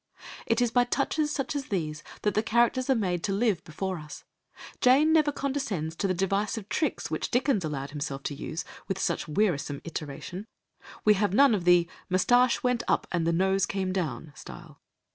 It is by touches such as these that the characters are made to live before us, Jane never condescends to the device of tricks which Dickens allowed himself to use with such wearisome iteration; we have none of "the moustache went up and the nose came down" style.